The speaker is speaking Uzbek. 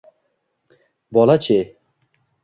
Bola-chi?